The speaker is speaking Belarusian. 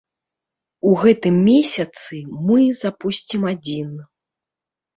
У гэтым месяцы мы запусцім адзін.